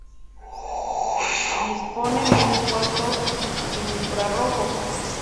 Dispone de un puerto infrarrojo.